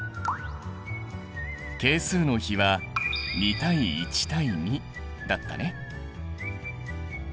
係数の比は２対１対２だったね。